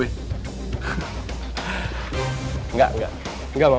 enggak enggak enggak mau